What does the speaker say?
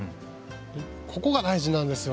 ここが大事なんですよ。